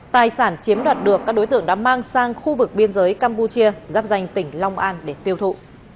tài sản chiếm đoạt được các đối tượng đã mang sang khu vực biên giới campuchia giáp danh tỉnh long an để tiêu thụ